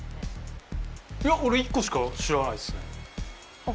いや俺１個しか知らないっす。